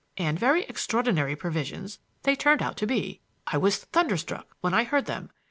And very extraordinary provisions they turned out to be. I was thunderstruck when I heard them.